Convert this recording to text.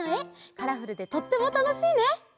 カラフルでとってもたのしいね！